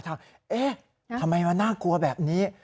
เอ๊ะทำไมมันน่ากลัวแบบนี้